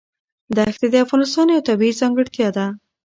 دښتې د افغانستان یوه طبیعي ځانګړتیا ده.